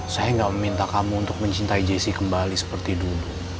saya nggak meminta kamu untuk mencintai jesse kembali seperti dulu